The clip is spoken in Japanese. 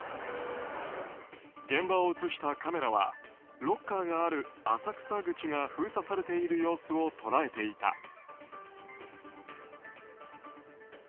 現場を写したカメラはロッカーがある浅草口が封鎖されている様子を捉えていた。